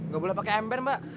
gak boleh pake ember mbak